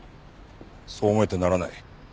そう思えてならない。